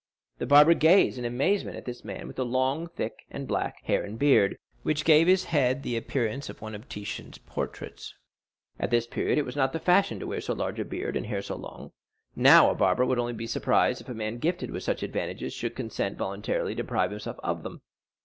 The barber gazed in amazement at this man with the long, thick and black hair and beard, which gave his head the appearance of one of Titian's portraits. At this period it was not the fashion to wear so large a beard and hair so long; now a barber would only be surprised if a man gifted with such advantages should consent voluntarily to deprive himself of them.